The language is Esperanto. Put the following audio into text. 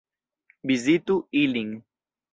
Vizitu ilin!